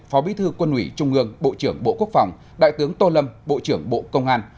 phó bí thư quân ủy trung ương bộ trưởng bộ quốc phòng đại tướng tô lâm bộ trưởng bộ công an